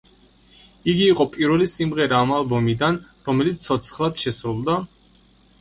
იგი იყო პირველი სიმღერა ამ ალბომიდან, რომელიც ცოცხლად შესრულდა.